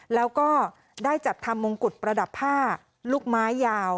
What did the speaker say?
แล้วก็ได้จัดทำมงกุฎประดับผ้าลูกไม้ยาว